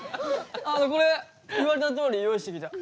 あのこれ言われたとおり用意してきた。